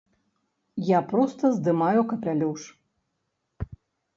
Я проста здымаю капялюш.